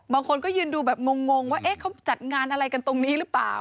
บางคนก็ยืนดูแบบงงว่าเขาจัดงานอะไรกันตรงนี้หรือเปล่า